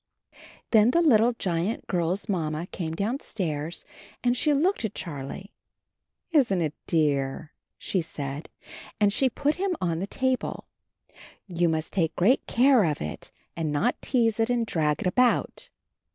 Then the little giant girl's Mamma came downstairs and she looked at Charhe. "Isn't it dear?"" she said, and she put him on the table. "You must take great care of it, and not tease it and drag it about."